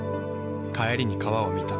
帰りに川を見た。